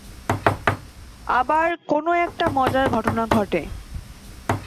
আবার কোনো- একটা মজার ঘটনা ঘটে।